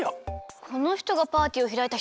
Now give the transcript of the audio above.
このひとがパーティーをひらいたひとかな？